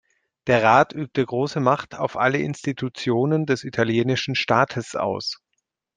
Der Rat übte große Macht auf alle Institutionen des italienischen Staates aus.